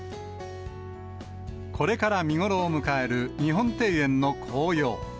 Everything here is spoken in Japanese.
これから見頃を迎える日本庭園の紅葉。